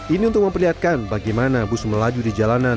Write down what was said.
ini untuk memperlihatkan bagaimana bus melaju di jalanan